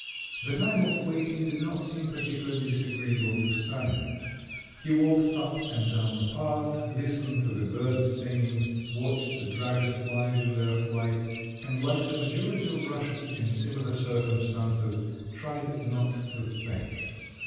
The time of waiting did not seem particularly disagreeable to Sanin; he walked up and down the path, listened to the birds singing, watched the dragonflies in their flight, and like the majority of Russians in similar circumstances, tried not to think.